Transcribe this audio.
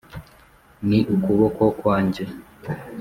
ni ukuboko kwanjye